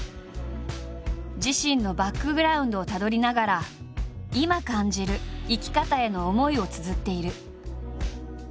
自身のバックグラウンドをたどりながら今感じる生き方への思いをつづっている。